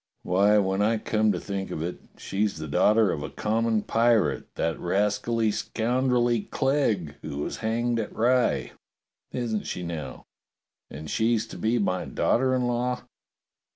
Why, when I come to think of it, she's the daughter of a common pirate, that rascally, scoundrelly Clegg, who was hanged at Rye. Isn't she now.^ And she's to be my daughter in law!